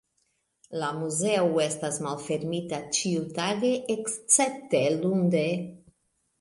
La muzeo estas malfermita ĉiutage escepte lunde.